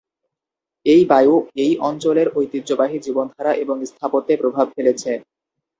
এই বায়ু এই অঞ্চলের ঐতিহ্যবাহী জীবনধারা এবং স্থাপত্যে প্রভাব ফেলেছে।